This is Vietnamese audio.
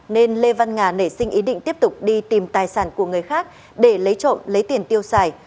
nên lê văn nga nảy sinh ý định tiếp tục đi tìm tài sản của người khác để lấy trộm lấy tiền tiêu xài